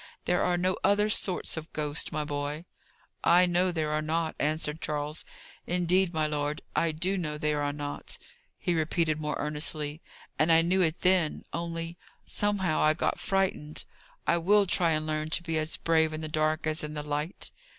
There are no other sorts of ghosts, my boy." "I know there are not," answered Charles. "Indeed, my lord, I do know there are not," he repeated more earnestly. "And I knew it then; only, somehow I got frightened. I will try and learn to be as brave in the dark as in the light."